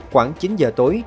khoảng chín giờ tối